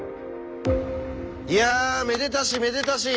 いやめでたしめでたし！